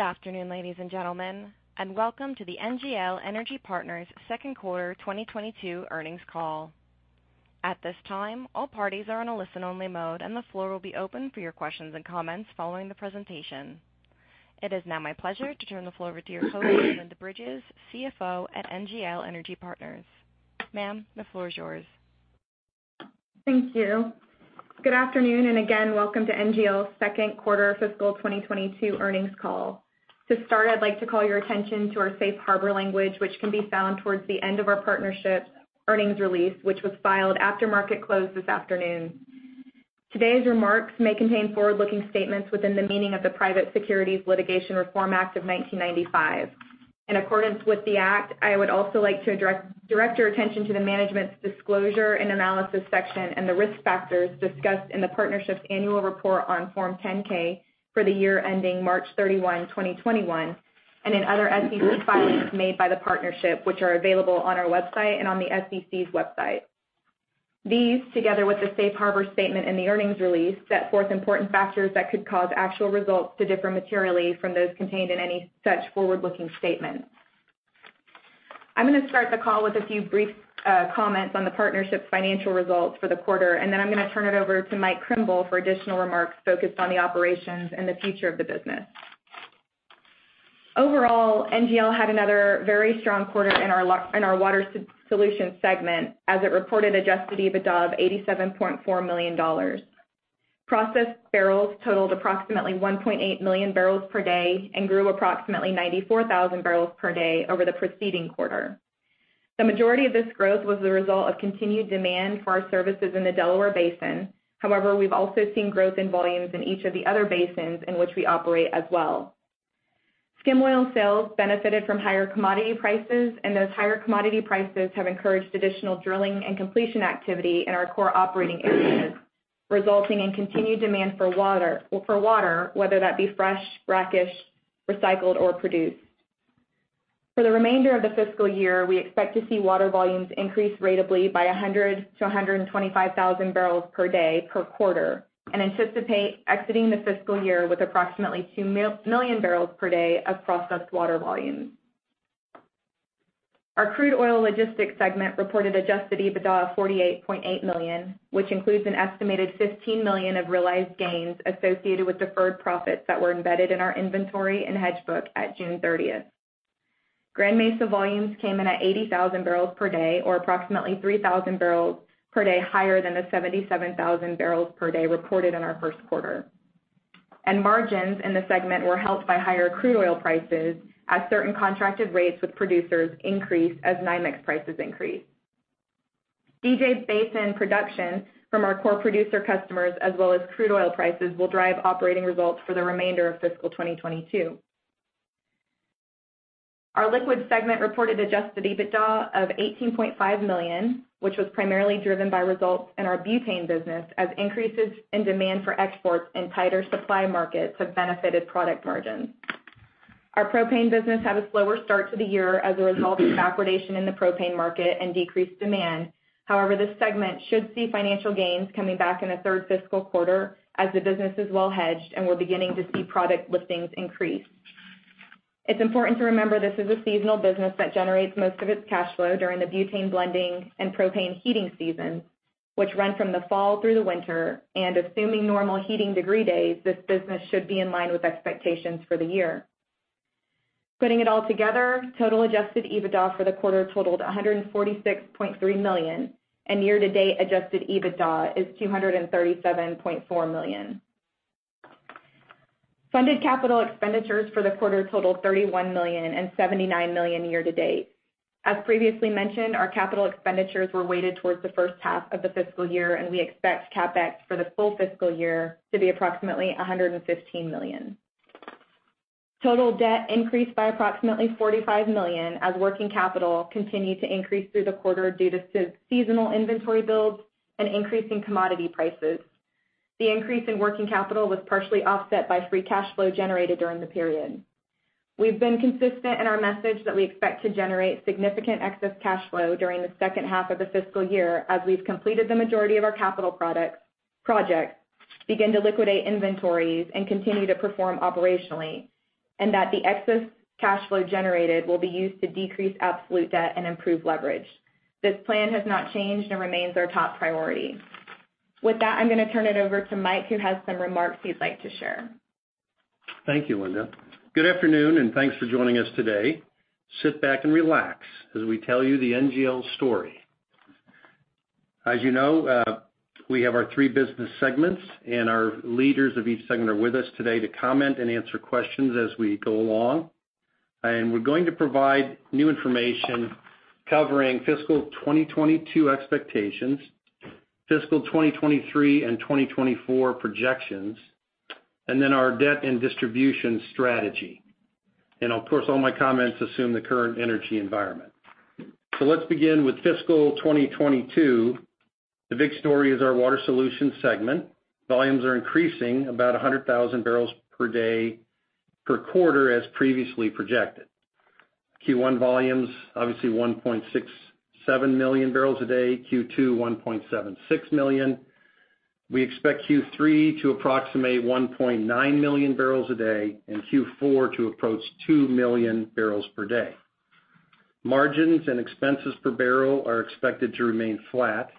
Good afternoon, ladies and gentlemen, and welcome to the NGL Energy Partners Second Quarter 2022 Earnings Call. At this time, all parties are in a listen-only mode, and the floor will be open for your questions and comments following the presentation. It is now my pleasure to turn the floor over to your host, Linda Bridges, CFO at NGL Energy Partners. Ma'am, the floor is yours. Thank you. Good afternoon, and again, welcome to NGL's second quarter fiscal 2022 earnings call. To start, I'd like to call your attention to our safe harbor language, which can be found towards the end of our partnership earnings release, which was filed after market close this afternoon. Today's remarks may contain forward-looking statements within the meaning of the Private Securities Litigation Reform Act of 1995. In accordance with the act, I would also like to direct your attention to the management's disclosure and analysis section and the risk factors discussed in the partnership's annual report on Form 10-K for the year ending March 31, 2021, and in other SEC filings made by the partnership, which are available on our website and on the SEC's website. These, together with the safe harbor statement and the earnings release, set forth important factors that could cause actual results to differ materially from those contained in any such forward-looking statement. I'm gonna start the call with a few brief comments on the partnership's financial results for the quarter, and then I'm gonna turn it over to Mike Krimbill for additional remarks focused on the operations and the future of the business. Overall, NGL had another very strong quarter in our Water Solutions segment as it reported adjusted EBITDA of $87.4 million. Processed barrels totaled approximately 1.8 MMbpd and grew approximately 94,000 bbl per day over the preceding quarter. The majority of this growth was the result of continued demand for our services in the Delaware Basin. However, we've also seen growth in volumes in each of the other basins in which we operate as well. Skim oil sales benefited from higher commodity prices, and those higher commodity prices have encouraged additional drilling and completion activity in our core operating areas, resulting in continued demand for water, whether that be fresh, brackish, recycled or produced. For the remainder of the fiscal year, we expect to see water volumes increase ratably by 100,000-125,000 bbl per day per quarter, and anticipate exiting the fiscal year with approximately 2 MMbpd of processed water volumes. Our Crude Oil Logistics segment reported adjusted EBITDA of $48.8 million, which includes an estimated $15 million of realized gains associated with deferred profits that were embedded in our inventory and hedge book at June 30th. Grand Mesa volumes came in at 80,000 bbl per day or approximately 3,000 bbl per day higher than the 77,000 bbl per day reported in our first quarter. Margins in the segment were helped by higher crude oil prices as certain contracted rates with producers increased as NYMEX prices increased. DJ Basin production from our core producer customers as well as crude oil prices will drive operating results for the remainder of fiscal 2022. Our Liquids segment reported adjusted EBITDA of $18.5 million, which was primarily driven by results in our butane business as increases in demand for exports and tighter supply markets have benefited product margins. Our propane business had a slower start to the year as a result of backwardation in the propane market and decreased demand. However, this segment should see financial gains coming back in the third fiscal quarter as the business is well hedged, and we're beginning to see product listings increase. It's important to remember this is a seasonal business that generates most of its cash flow during the butane blending and propane heating season, which run from the fall through the winter, and assuming normal heating degree days, this business should be in line with expectations for the year. Putting it all together, total adjusted EBITDA for the quarter totaled $146.3 million, and year-to-date adjusted EBITDA is $237.4 million. Funded capital expenditures for the quarter totaled $31 million and $79 million year to date. As previously mentioned, our capital expenditures were weighted towards the first half of the fiscal year, and we expect CapEx for the full fiscal year to be approximately $115 million. Total debt increased by approximately $45 million as working capital continued to increase through the quarter due to seasonal inventory builds and increasing commodity prices. The increase in working capital was partially offset by free cash flow generated during the period. We've been consistent in our message that we expect to generate significant excess cash flow during the second half of the fiscal year as we've completed the majority of our capital projects, begin to liquidate inventories, and continue to perform operationally, and that the excess cash flow generated will be used to decrease absolute debt and improve leverage. This plan has not changed and remains our top priority. With that, I'm gonna turn it over to Mike, who has some remarks he'd like to share. Thank you, Linda. Good afternoon, and thanks for joining us today. Sit back and relax as we tell you the NGL story. As you know, we have our three business segments, and our leaders of each segment are with us today to comment and answer questions as we go along. We're going to provide new information covering fiscal 2022 expectations, fiscal 2023 and 2024 projections, and then our debt and distribution strategy. Of course, all my comments assume the current energy environment. Let's begin with fiscal 2022. The big story is our Water Solutions segment. Volumes are increasing about 100,000 bbl per day per quarter as previously projected. Q1 volumes, obviously 1.67 MMbpd. Q2, 1.76 MMbpd. We expect Q3 to approximate 1.9 MMbpd and Q4 to approach 2 MMbpd. Margins and expenses per barrel are expected to remain flat,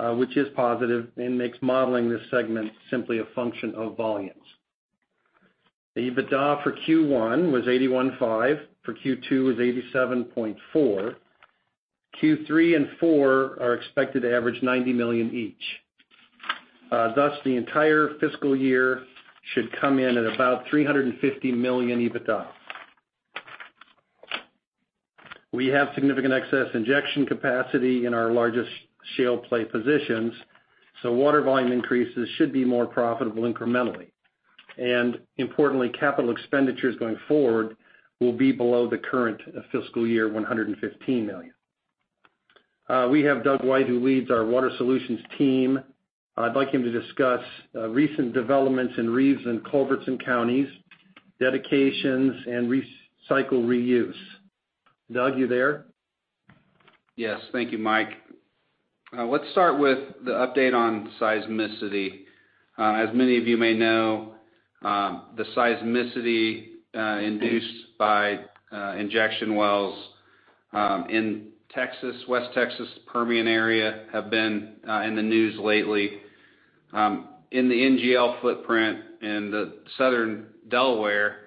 which is positive and makes modeling this segment simply a function of volumes. The EBITDA for Q1 was $81.5 million. The EBITDA for Q2 was $87.4 million. Q3 and Q4 are expected to average $90 million each. Thus, the entire fiscal year should come in at about $350 million EBITDA. We have significant excess injection capacity in our largest shale play positions, so water volume increases should be more profitable incrementally. Importantly, capital expenditures going forward will be below the current fiscal year $115 million. We have Doug White, who leads our Water Solutions team. I'd like him to discuss recent developments in Reeves and Culberson counties, dedications and recycle reuse. Doug, you there? Yes. Thank you, Mike. Let's start with the update on seismicity. As many of you may know, the seismicity induced by injection wells in Texas, West Texas Permian area have been in the news lately. In the NGL footprint in the Southern Delaware,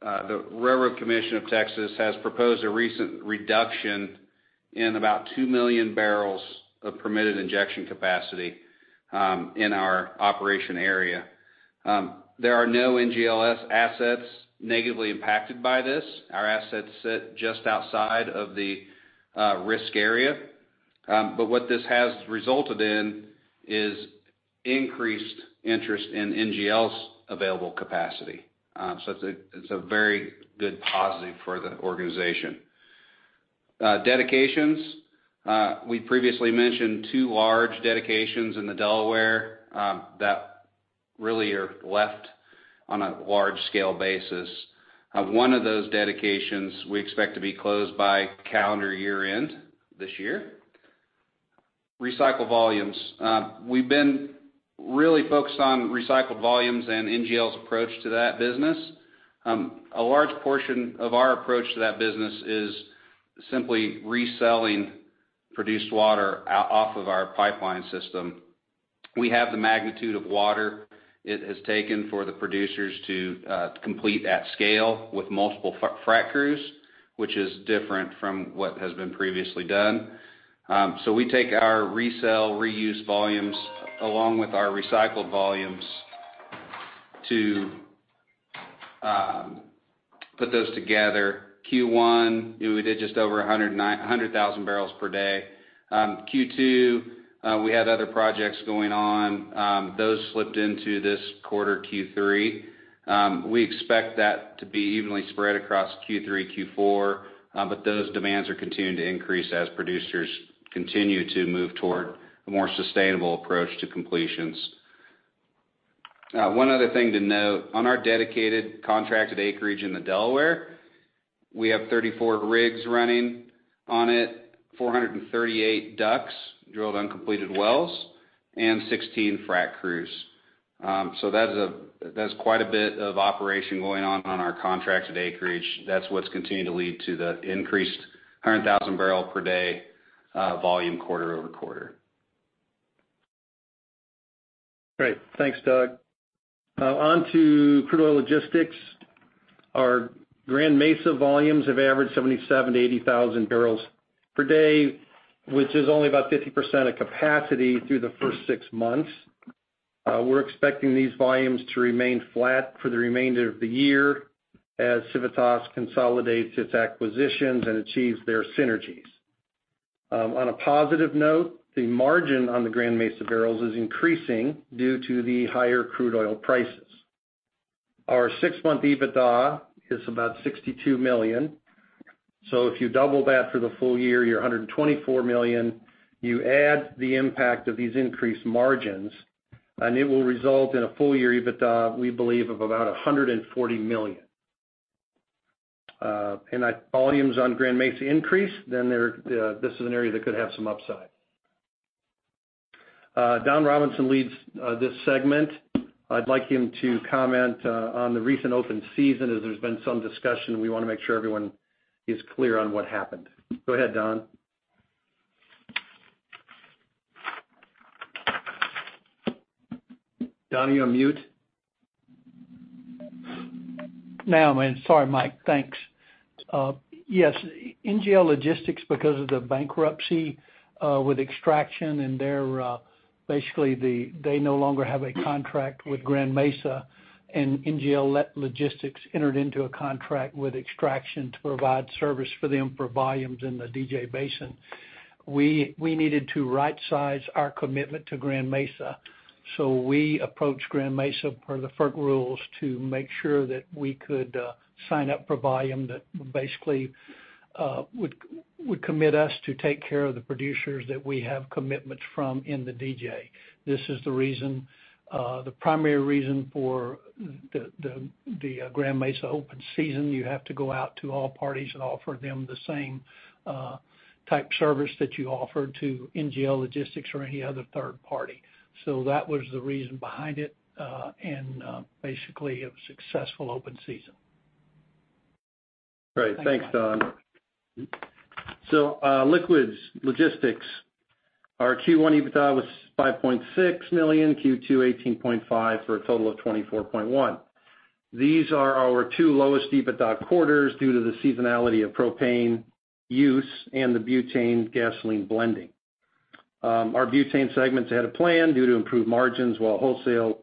the Railroad Commission of Texas has proposed a recent reduction in about 2 million bbl of permitted injection capacity in our operation area. There are no NGL's assets negatively impacted by this. Our assets sit just outside of the risk area. What this has resulted in is increased interest in NGL's available capacity. It's a very good positive for the organization. Dedications. We previously mentioned two large dedications in the Delaware that really are left on a large scale basis. One of those dedications we expect to be closed by calendar year-end this year. Recycle volumes. We've been really focused on recycled volumes and NGL's approach to that business. A large portion of our approach to that business is simply reselling produced water out of our pipeline system. We have the magnitude of water it has taken for the producers to complete at scale with multiple frac crews, which is different from what has been previously done. We take our resell reuse volumes along with our recycled volumes to put those together. Q1, we did just over 100,000 bbl per day. Q2, we had other projects going on. Those slipped into this quarter, Q3. We expect that to be evenly spread across Q3, Q4, but those demands are continuing to increase as producers continue to move toward a more sustainable approach to completions. One other thing to note. On our dedicated contracted acreage in the Delaware, we have 34 rigs running on it, 438 DUCs, drilled uncompleted wells, and 16 frac crews. So that's quite a bit of operation going on on our contracted acreage. That's what's continuing to lead to the increased 100,000 bbl per day volume quarter-over-quarter. Great. Thanks, Doug. On to Crude Oil Logistics. Our Grand Mesa volumes have averaged 77,000-80,000 bbl per day, which is only about 50% of capacity through the first six months. We're expecting these volumes to remain flat for the remainder of the year as Civitas consolidates its acquisitions and achieves their synergies. On a positive note, the margin on the Grand Mesa barrels is increasing due to the higher crude oil prices. Our six-month EBITDA is about $62 million. If you double that for the full year, you're $124 million. You add the impact of these increased margins, and it will result in a full-year EBITDA, we believe, of about $140 million. As volumes on Grand Mesa increase, then there, this is an area that could have some upside. Don Robinson leads this segment. I'd like him to comment on the recent open season, as there's been some discussion. We want to make sure everyone is clear on what happened. Go ahead, Don. Don, are you on mute? Now I'm in. Sorry, Mike. Thanks. Yes. NGL Logistics, because of the bankruptcy with Extraction and their basically they no longer have a contract with Grand Mesa, and NGL Logistics entered into a contract with Extraction to provide service for them for volumes in the DJ Basin. We needed to rightsize our commitment to Grand Mesa, so we approached Grand Mesa per the FERC rules to make sure that we could sign up for volume that basically would commit us to take care of the producers that we have commitments from in the DJ. This is the primary reason for the Grand Mesa open season. You have to go out to all parties and offer them the same type service that you offer to NGL Logistics or any other third party. That was the reason behind it and basically a successful open season. Great. Thanks, Don. Liquids Logistics. Our Q1 EBITDA was $5.6 million, Q2 $18.5 million for a total of $24.1 million. These are our two lowest EBITDA quarters due to the seasonality of propane use and the butane gasoline blending. Our butane segments had a plan due to improved margins while wholesale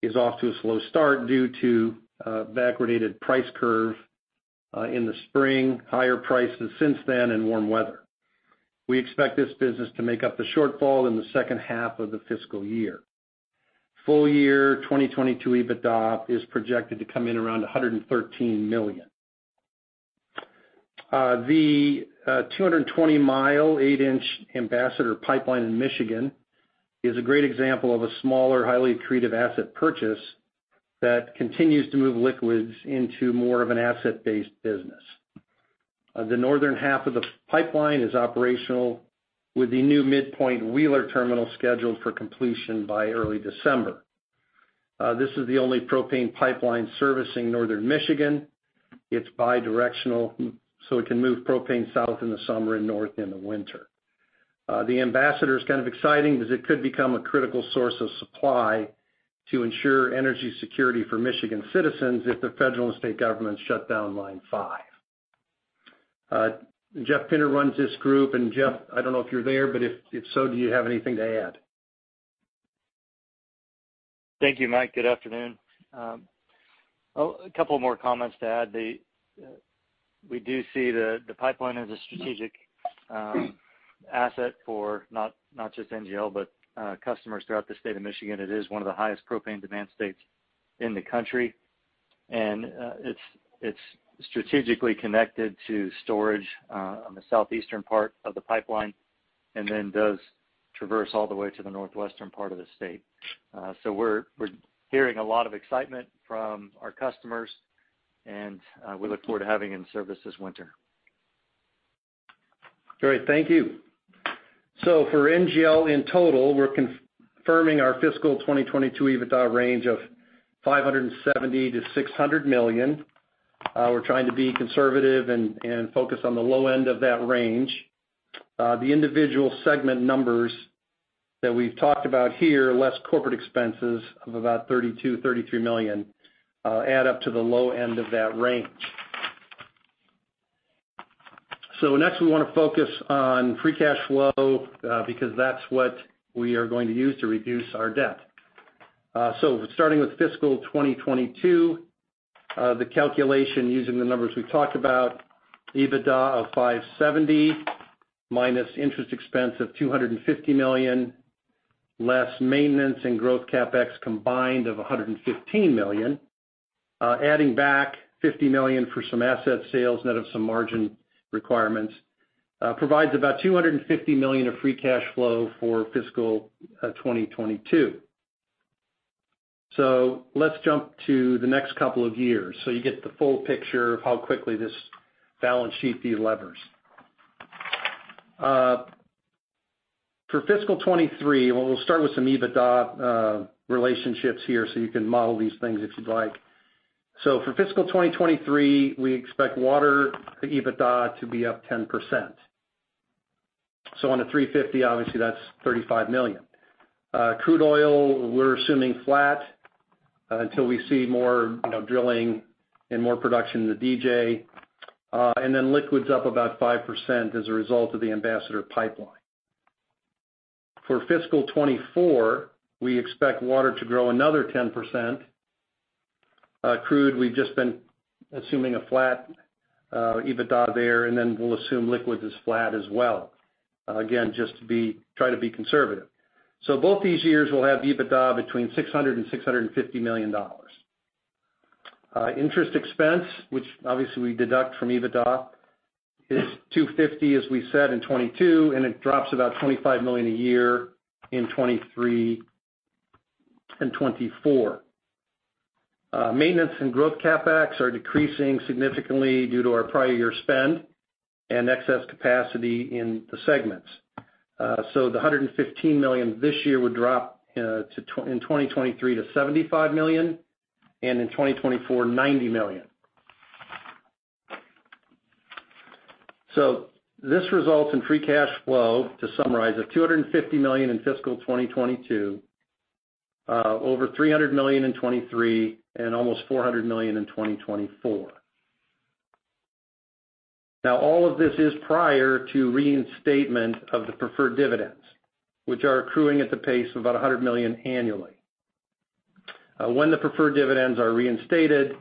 is off to a slow start due to backwardated price curve in the spring, higher prices since then in warm weather. We expect this business to make up the shortfall in the second half of the fiscal year. Full year, 2022 EBITDA is projected to come in around $113 million. The 220-mi 8-in Ambassador Pipeline in Michigan is a great example of a smaller, highly accretive asset purchase that continues to move liquids into more of an asset-based business. The northern half of the pipeline is operational with the new midpoint Wheeler Terminal scheduled for completion by early December. This is the only propane pipeline servicing Northern Michigan. It's bi-directional, so it can move propane south in the summer and north in the winter. The Ambassador is kind of exciting because it could become a critical source of supply to ensure energy security for Michigan citizens if the federal and state governments shut down Line 5. Jeff Pinter runs this group, and Jeff, I don't know if you're there, but if so, do you have anything to add? Thank you, Mike. Good afternoon. A couple more comments to add. We do see the pipeline as a strategic asset for not just NGL, but customers throughout the state of Michigan. It is one of the highest propane demand states in the country. It's strategically connected to storage on the southeastern part of the pipeline, and then does traverse all the way to the northwestern part of the state. We're hearing a lot of excitement from our customers, and we look forward to having in service this winter. Great. Thank you. For NGL in total, we're confirming our fiscal 2022 EBITDA range of $570 million-$600 million. We're trying to be conservative and focus on the low end of that range. The individual segment numbers that we've talked about here, less corporate expenses of about $32 million-$33 million, add up to the low end of that range. Next, we wanna focus on free cash flow, because that's what we are going to use to reduce our debt. Starting with fiscal 2022, the calculation using the numbers we've talked about, EBITDA of $570 million minus interest expense of $250 million, less maintenance and growth CapEx combined of $115 million, adding back $50 million for some asset sales net of some margin requirements, provides about $250 million of free cash flow for fiscal 2022. Let's jump to the next couple of years so you get the full picture of how quickly this balance sheet delevers. For fiscal 2023, well, we'll start with some EBITDA relationships here, so you can model these things if you'd like. For fiscal 2023, we expect Water EBITDA to be up 10%. On a $350 million, obviously that's $35 million. Crude oil, we're assuming flat until we see more, you know, drilling and more production in the DJ, and then Liquids up about 5% as a result of the Ambassador Pipeline. For fiscal 2024, we expect Water to grow another 10%. Crude, we've just been assuming a flat EBITDA there, and then we'll assume Liquids is flat as well. Again, try to be conservative. Both these years, we'll have EBITDA between $600 million and $650 million. Interest expense, which obviously we deduct from EBITDA, is $250 million, as we said in 2022, and it drops about $25 million a year in 2023 and 2024. Maintenance and growth CapEx are decreasing significantly due to our prior year spend and excess capacity in the segments. The $115 million this year would drop in 2023 to $75 million, and in 2024, $90 million. This results in free cash flow, to summarize, of $250 million in fiscal 2022, over $300 million in 2023, and almost $400 million in 2024. Now, all of this is prior to reinstatement of the preferred dividends, which are accruing at the pace of about $100 million annually. When the preferred dividends are reinstated,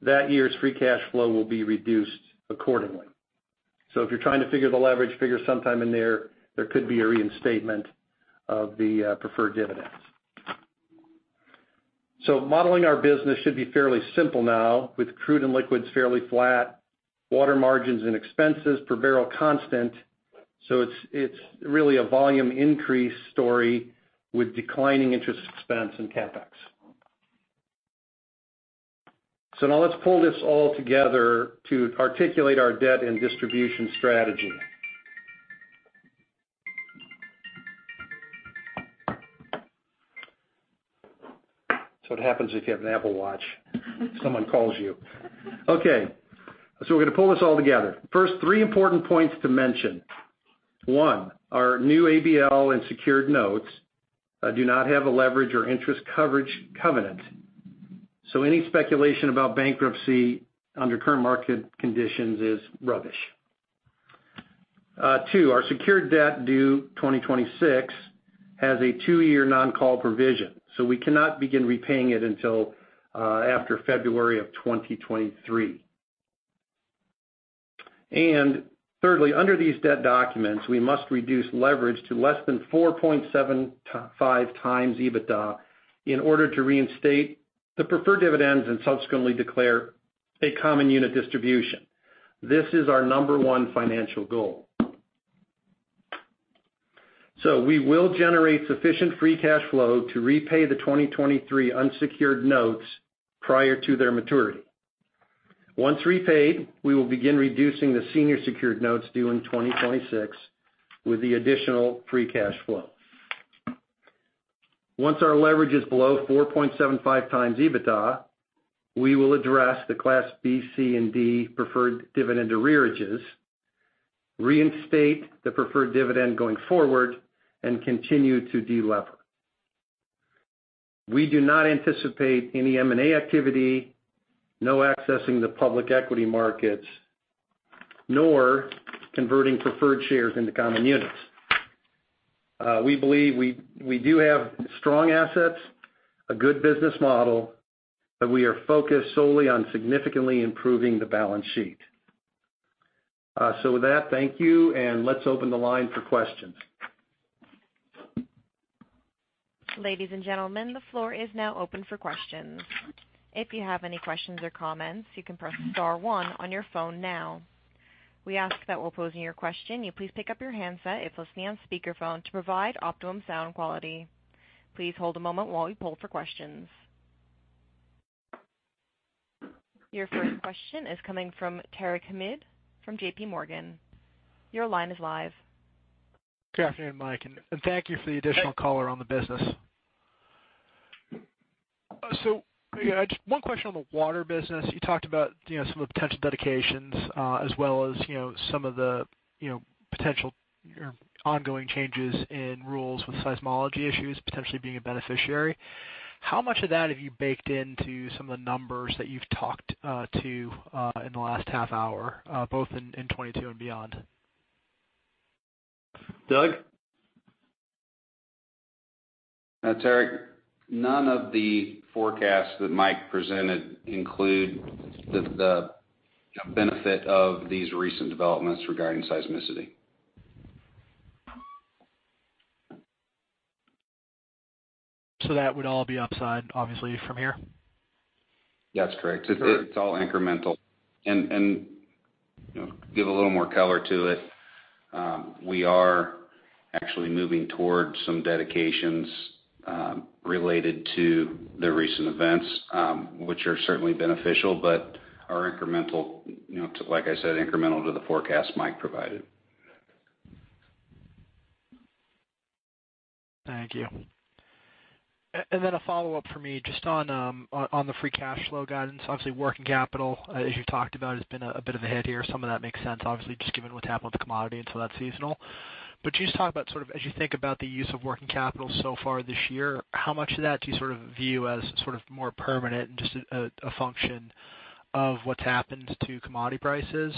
that year's free cash flow will be reduced accordingly. If you're trying to figure the leverage figure sometime in there could be a reinstatement of the preferred dividends. Modeling our business should be fairly simple now with Crude and Liquids fairly flat, Water margins and expenses per barrel constant. It's really a volume increase story with declining interest expense and CapEx. Now let's pull this all together to articulate our debt and distribution strategy. That's what happens if you have an Apple Watch. Someone calls you. Okay, we're gonna pull this all together. First, three important points to mention. One, our new ABL and secured notes do not have a leverage or interest coverage covenant. Any speculation about bankruptcy under current market conditions is rubbish. Two, our secured debt due 2026 has a two-year non-call provision, we cannot begin repaying it until after February of 2023. Thirdly, under these debt documents, we must reduce leverage to less than 4.7-5 times EBITDA in order to reinstate the preferred dividends and subsequently declare a common unit distribution. This is our number one financial goal. We will generate sufficient free cash flow to repay the 2023 unsecured notes prior to their maturity. Once repaid, we will begin reducing the senior secured notes due in 2026 with the additional free cash flow. Once our leverage is below 4.75 times EBITDA, we will address the Class B, C, and D preferred dividend arrearages, reinstate the preferred dividend going forward, and continue to delever. We do not anticipate any M&A activity, no accessing the public equity markets, nor converting preferred shares into common units. We believe we do have strong assets, a good business model, but we are focused solely on significantly improving the balance sheet. With that, thank you, and let's open the line for questions. Ladies and gentlemen, the floor is now open for questions. If you have any questions or comments, you can press star one on your phone now. We ask that while posing your question, you please pick up your handset if listening on speakerphone to provide optimum sound quality. Please hold a moment while we poll for questions. Your first question is coming from Tarek Hamid from JPMorgan. Your line is live. Good afternoon, Mike, and thank you for the additional color on the business. So one question on the Water business. You talked about, you know, some of the potential dedications, as well as, you know, some of the, you know, potential or ongoing changes in rules with seismicity issues potentially being a beneficiary. How much of that have you baked into some of the numbers that you've talked to in the last half hour, both in 2022 and beyond? Doug? Tarek, none of the forecasts that Mike presented include the benefit of these recent developments regarding seismicity. That would all be upside, obviously, from here? That's correct. It's all incremental. You know, give a little more color to it. We are actually moving towards some dedications related to the recent events, which are certainly beneficial, but are incremental, you know, to, like I said, incremental to the forecast Mike provided. Thank you. Then a follow-up for me, just on the free cash flow guidance. Obviously, working capital, as you talked about, has been a bit of a headwind here. Some of that makes sense, obviously, just given what's happened with the commodity, and so that's seasonal. Can you just talk about sort of, as you think about the use of working capital so far this year, how much of that do you sort of view as sort of more permanent and just a function of what's happened to commodity prices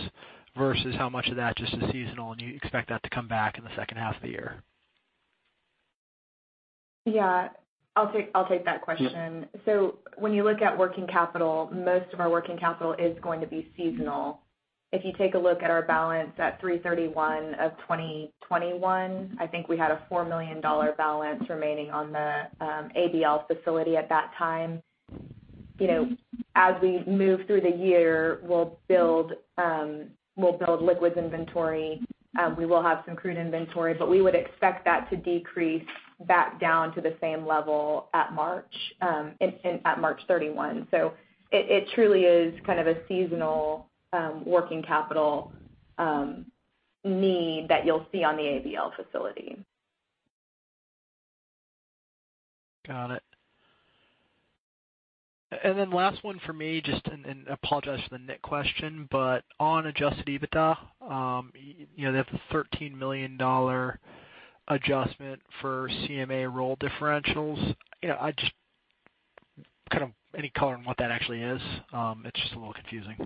versus how much of that just is seasonal, and you expect that to come back in the second half of the year? Yeah. I'll take that question. Yeah. When you look at working capital, most of our working capital is going to be seasonal. If you take a look at our balance at 03/31/2021, I think we had a $4 million balance remaining on the ABL facility at that time. As we move through the year, we'll build Liquids inventory. We will have some Crude inventory, but we would expect that to decrease back down to the same level at March 31. It truly is kind of a seasonal working capital need that you'll see on the ABL facility. Got it. And then last one for me, just to I apologize for the nit question, but on adjusted EBITDA, you know, that $13 million adjustment for CMA roll differentials. You know, I just kind of any color on what that actually is? It's just a little confusing.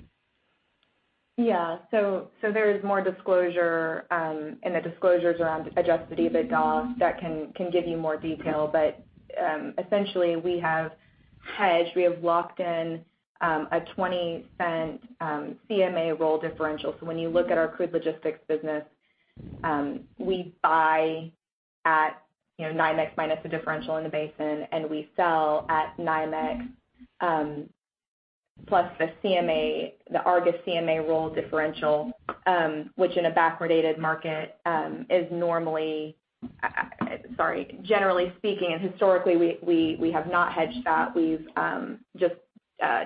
Yeah. There is more disclosure in the disclosures around adjusted EBITDA that can give you more detail. Essentially, we have hedged. We have locked in a $0.20 CMA roll differential. When you look at our Crude Oil Logistics business, we buy at, you know, NYMEX minus the differential in the basin, and we sell at NYMEX plus the CMA, the Argus CMA roll differential, which in a backwardated market generally speaking and historically we have not hedged that. We've just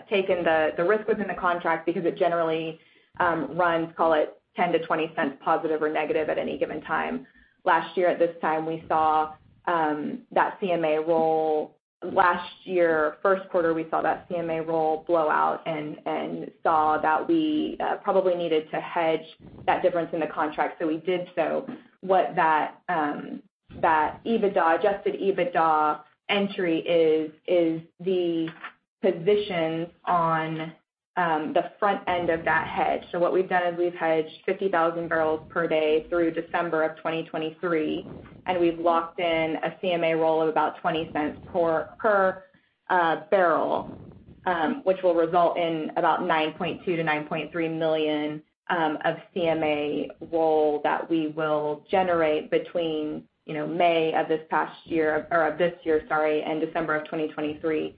taken the risk within the contract because it generally runs, call it $0.10-$0.20 positive or negative at any given time. Last year at this time, we saw that CMA roll. Last year, first quarter, we saw that CMA roll blow out and saw that we probably needed to hedge that difference in the contract. We did so. What that adjusted EBITDA entry is the positions on the front end of that hedge. What we've done is we've hedged 50,000 bbl per day through December 2023, and we've locked in a CMA roll of about $0.20 per bbl, which will result in about $9.2 million-$9.3 million of CMA roll that we will generate between, you know, May of this year, sorry, and December 2023.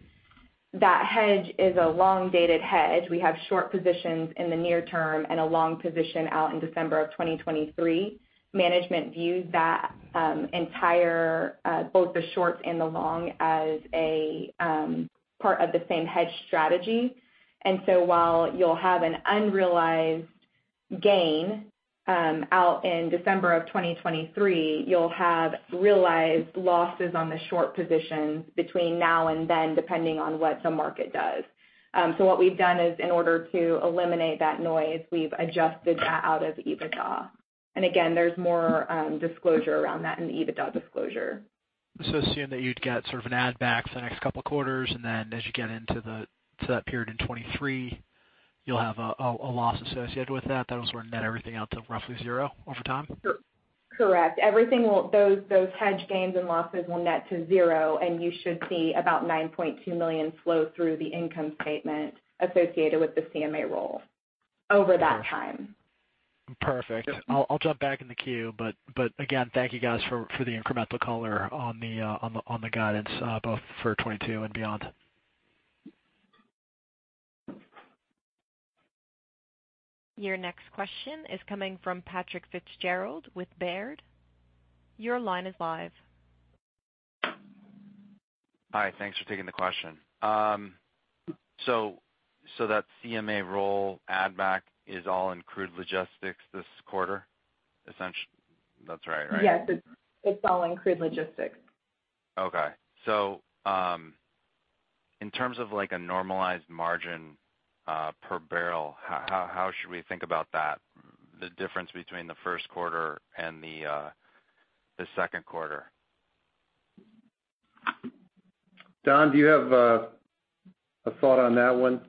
That hedge is a long-dated hedge. We have short positions in the near term and a long position out in December 2023. Management views that entire both the shorts and the long as a part of the same hedge strategy. While you'll have an unrealized gain out in December 2023, you'll have realized losses on the short positions between now and then, depending on what the market does. What we've done is in order to eliminate that noise, we've adjusted that out of EBITDA. Again, there's more disclosure around that in the EBITDA disclosure. Assume that you'd get sort of an add back the next couple of quarters, and then as you get into to that period in 2023, you'll have a loss associated with that. That'll sort of net everything out to roughly zero over time? Correct. Those hedged gains and losses will net to zero, and you should see about $9.2 million flow through the income statement associated with the CMA roll over that time. Perfect. I'll jump back in the queue. Again, thank you guys for the incremental color on the guidance both for 2022 and beyond. Your next question is coming from Patrick Fitzgerald with Baird. Your line is live. Hi. Thanks for taking the question. That CMA roll add back is all in Crude Oil Logistics this quarter. That's right? Yes. It's all in Crude Logistics. In terms of, like, a normalized margin per barrel, how should we think about that, the difference between the first quarter and the second quarter? Don, do you have a thought on that one?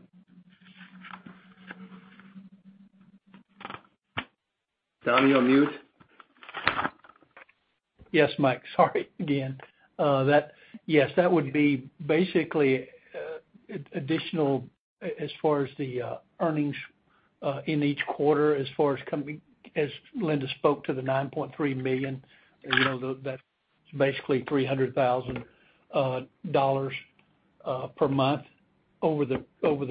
Don, you're on mute. Yes, Mike. Sorry again. Yes, that would be basically additional as far as the earnings in each quarter as far as company, as Linda spoke to the $9.3 million. You know, that's basically $300,000 per month over the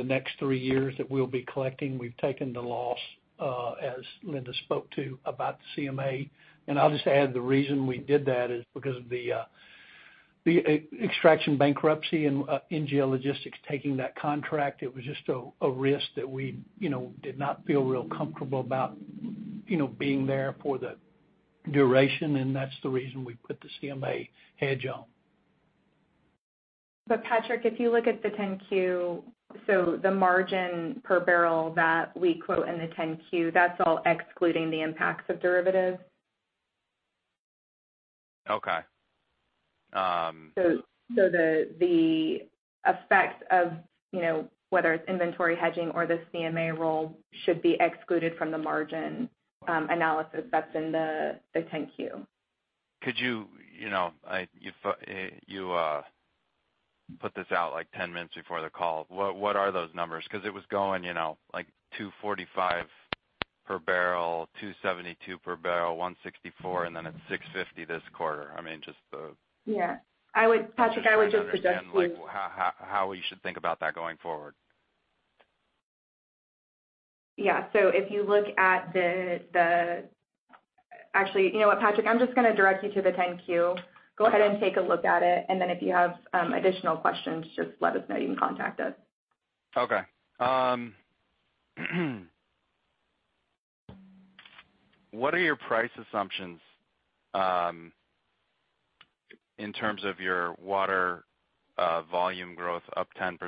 next three years that we'll be collecting. We've taken the loss as Linda spoke to about the CMA. I'll just add, the reason we did that is because of the Extraction bankruptcy and NGL Logistics taking that contract. It was just a risk that we, you know, did not feel real comfortable about, you know, being there for the duration, and that's the reason we put the CMA hedge on. Patrick, if you look at the 10-Q, so the margin per barrel that we quote in the 10-Q, that's all excluding the impacts of derivatives. Okay. The effects of, you know, whether it's inventory hedging or the CMA roll should be excluded from the margin analysis that's in the 10-Q. Could you know, if you put this out like 10 minutes before the call, what are those numbers? 'Cause it was going, you know, like $2.45 per barrel, $2.72 per barrel, $1.64, and then it's $6.5 this quarter. I mean, just the. Yeah. Patrick, I would just suggest you- Try to understand, like, how we should think about that going forward. Yeah. Actually, you know what, Patrick? I'm just gonna direct you to the 10-Q. Go ahead and take a look at it, and then if you have additional questions, just let us know. You can contact us. Okay. What are your price assumptions, in terms of your Water, volume growth up 10%,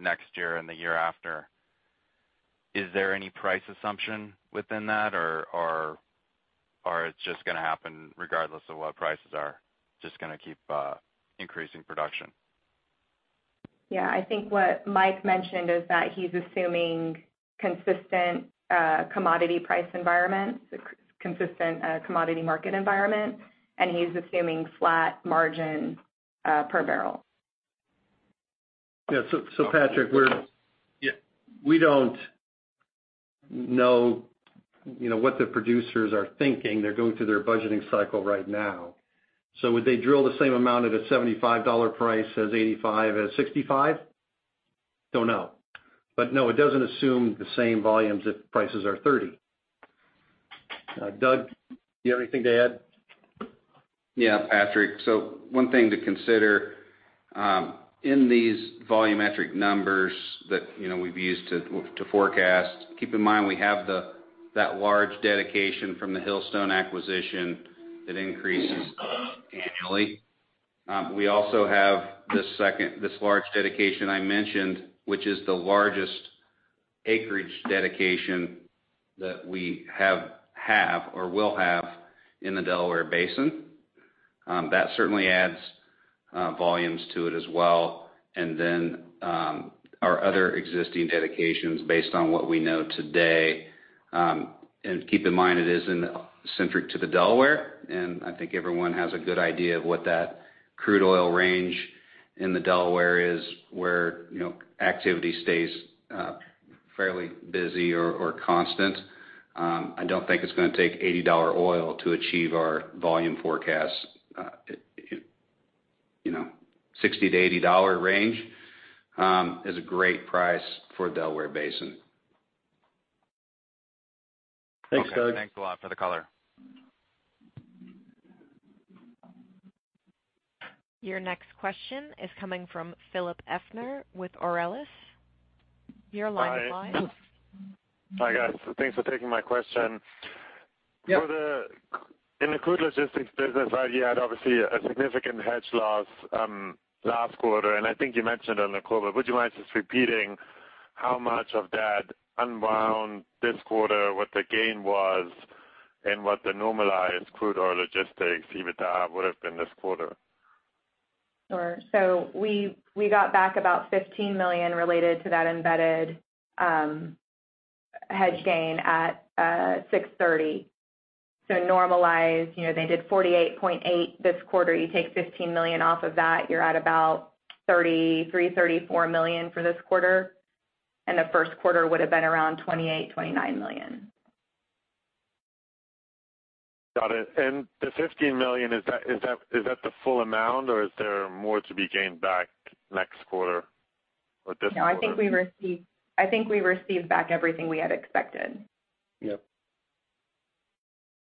next year and the year after? Is there any price assumption within that, or it's just gonna happen regardless of what prices are, just gonna keep, increasing production? Yeah. I think what Mike mentioned is that he's assuming consistent commodity price environment, consistent commodity market environment, and he's assuming flat margin per barrel. Yeah, Patrick, we don't know, you know, what the producers are thinking. They're going through their budgeting cycle right now. Would they drill the same amount at a $75 price as $85, as $65? Don't know. No, it doesn't assume the same volumes if prices are $30. Doug, you have anything to add? Yeah, Patrick. One thing to consider in these volumetric numbers that, you know, we've used to forecast, keep in mind we have that large dedication from the Hillstone acquisition that increases annually. We also have this large dedication I mentioned, which is the largest acreage dedication that we have or will have in the Delaware Basin. That certainly adds volumes to it as well, and then our other existing dedications based on what we know today. Keep in mind, it isn't centric to the Delaware, and I think everyone has a good idea of what that crude oil range in the Delaware is, where, you know, activity stays fairly busy or constant. I don't think it's gonna take $80 oil to achieve our volume forecasts. You know, $60-$80 range is a great price for Delaware Basin. Thanks, Doug. Okay. Thanks a lot for the color. Your next question is coming from Philipp Duffner with Aurelius. Your line is live. Hi. Hi, guys. Thanks for taking my question. Yeah. In the Crude Logistics business, right, you had obviously a significant hedge loss last quarter, and I think you mentioned it on the call, but would you mind just repeating how much of that unwound this quarter, what the gain was, and what the normalized Crude Oil Logistics EBITDA would have been this quarter? Sure. We got back about $15 million related to that embedded hedge gain at 6/30. Normalized, you know, they did $48.8 million this quarter. You take $15 million off of that, you're at about $33 million-$34 million for this quarter, and the first quarter would have been around $28 million-$29 million. Got it. The $15 million, is that the full amount or is there more to be gained back next quarter or this quarter? No, I think we received back everything we had expected. Yep.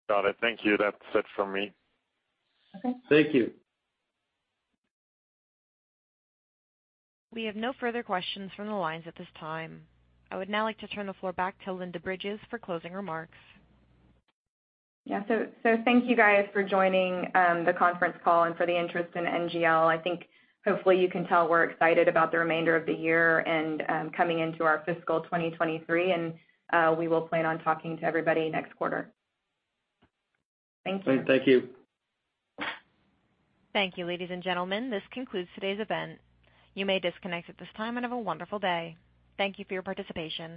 Got it. Thank you. That's it from me. Okay. Thank you. We have no further questions from the lines at this time. I would now like to turn the floor back to Linda Bridges for closing remarks. Yeah. Thank you guys for joining the conference call and for the interest in NGL. I think hopefully you can tell we're excited about the remainder of the year and coming into our fiscal 2023, and we will plan on talking to everybody next quarter. Thank you. Thank you. Thank you, ladies and gentlemen, this concludes today's event. You may disconnect at this time, and have a wonderful day. Thank you for your participation.